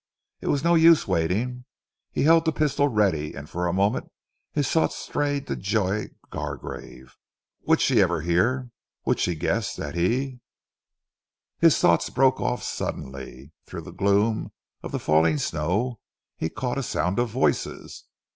It was no use waiting. He held the pistol ready, and for a moment his thoughts strayed to Joy Gargrave. Would she ever hear? Would she guess that he His thoughts broke off suddenly. Through the gloom of the falling snow he caught a sound of voices.